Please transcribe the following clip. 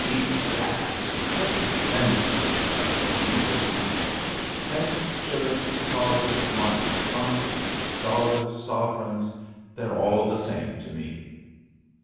Egad, what a spendthrift I shall be this night; pence, shillings, thalers, marks, francs, dollars, sovereigns they are the same to me!